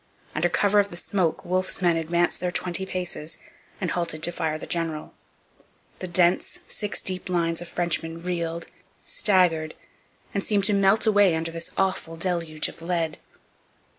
Under cover of the smoke Wolfe's men advanced their twenty paces and halted to fire the 'general.' The dense, six deep lines of Frenchmen reeled, staggered, and seemed to melt away under this awful deluge of lead.